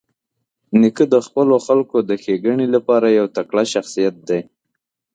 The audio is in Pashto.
نیکه د خپلو خلکو د ښېګڼې لپاره یو تکړه شخصیت دی.